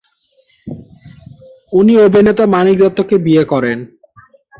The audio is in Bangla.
উনি অভিনেতা মানিক দত্তকে বিয়ে করেন।